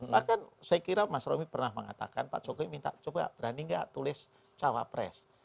bahkan saya kira mas romi pernah mengatakan pak jokowi minta coba berani nggak tulis cawapres